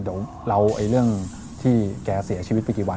เดี๋ยวเราเรื่องที่แกเสียชีวิตไปกี่วัน